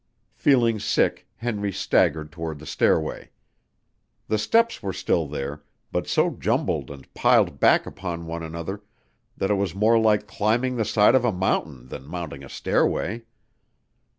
Feeling sick, Henry staggered toward the stairway. The steps were still there, but so jumbled and piled back upon one another that it was more like climbing the side of a mountain than mounting a stairway.